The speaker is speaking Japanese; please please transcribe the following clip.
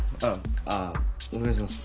ああお願いします。